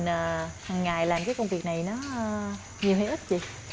hằng ngày làm cái công việc này nó nhiều hay ít chị